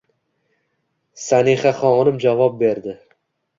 Sanixaxonim javob berdi: